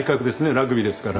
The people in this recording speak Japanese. ラグビーですから。